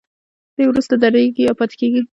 دوی وروسته درېږي یا پاتې کیږي.